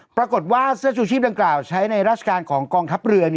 ปรากฏว่าเสื้อชูชีพดังกล่าวใช้ในราชการของกองทัพเรือ